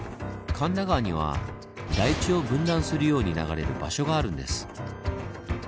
神田川には台地を分断するように流れる場所があるんです。